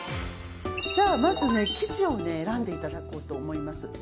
じゃあまず生地を選んでいただこうと思います。